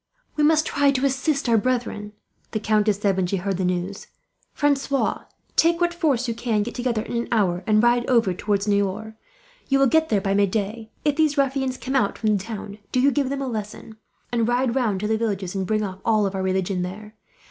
"We must try to assist our brethren," the countess said, when she heard the news. "Francois, take what force you can get together in an hour, and ride over towards Niort. You will get there by midday. If these ruffians come out from the town, do you give them a lesson; and ride round to the villages, and bring off all of our religion there.